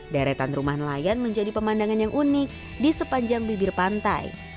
deretan rumah nelayan menjadi pemandangan yang unik di sepanjang bibir pantai